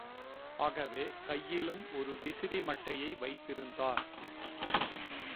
ஆகவே, கையிலும் ஒரு விசிறி மட்டையை வைத்திருந்தார்.